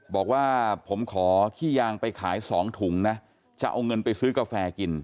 บอกว่าผมขอขี้ยางไปขาย๒ถุงนะจะเอาเงินไปซื้อกาแฟกิน